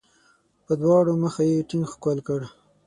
په دواړه مخه یې ټینګ ښکل کړ.